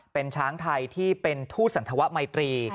เป็นช้างไทยที่เป็นทูตสันธวะไมตรี